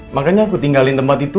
makanya aku tinggalin tempat itu